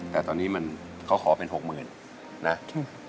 แต่ตอนนี้มันเขาขอเป็น๖๐๐๐นะ